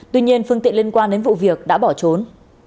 tuy nhiên phương tiện liên quan đến vụ việc đã bỏ trốn